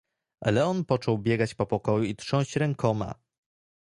"Leon począł biegać po pokoju i trząść rękoma."